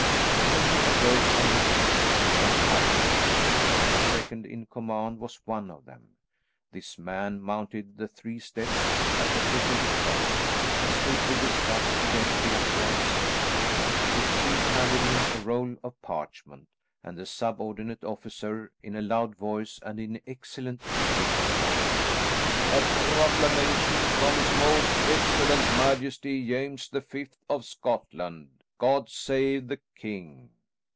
Many of those on the fleet were Highlanders, and the second in command was one of them. This man mounted the three steps at the foot of the cross and stood with his back against the upright stone. His chief handed him a roll of parchment, and the subordinate officer in a loud voice, and in excellent Gaelic, cried, "A Proclamation from His Most Excellent Majesty, James the Fifth of Scotland! God save the King!"